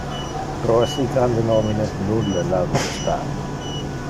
Pro assi grande nomine nulle laudes es par.